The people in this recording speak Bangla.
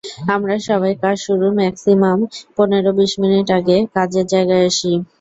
আমরা সবাই কাজ শুরুর ম্যাক্সিমাম পনেরো বিশ মিনিট আগে কাজের জায়গায় আসি।